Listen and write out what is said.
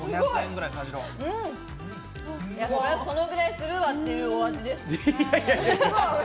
そのぐらいするわっていうお味です。